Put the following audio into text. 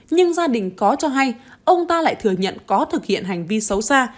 nhưng gia đình có cho hay ông ta lại thừa nhận có thực hiện hành vi xấu xa